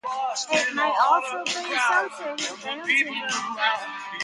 It may also be associated with Down syndrome.